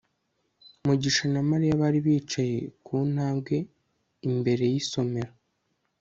mugisha na mariya bari bicaye ku ntambwe imbere y'isomero